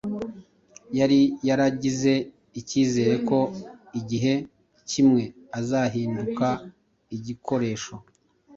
Yari yaragize icyizere ko igihe kimwe azahinduka igikoresho